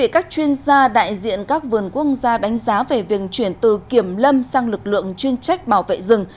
các chuyên gia đại diện các vườn quốc gia đánh giá về việc chuyển từ kiểm lâm sang lực lượng chuyên trách bảo vệ rừng